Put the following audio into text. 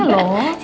silahkan mbak jessy